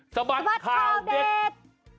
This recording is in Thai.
บัดข่าวเด็ด